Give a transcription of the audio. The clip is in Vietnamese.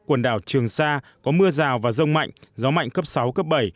quần đảo trường sa có mưa rào và rông mạnh gió mạnh cấp sáu cấp bảy